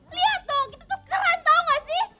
liat dong kita tuh keren tau gak sih